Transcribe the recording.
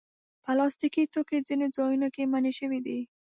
پلاستيکي توکي ځینو ځایونو کې منع شوي دي.